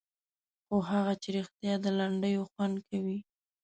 خو هغه چې رښتیا د لنډیو خوند کوي.